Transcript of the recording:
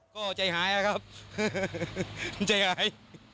ก็ใจหายครับใจหาย